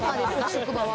職場は。